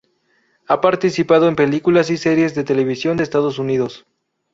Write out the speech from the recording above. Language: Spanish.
Ha participado en películas y series de televisión de Estados Unidos.